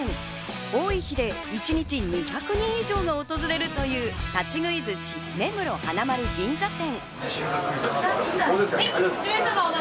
多い日で一日２００人以上が訪れるという立ち食い寿司根室花まる銀座店。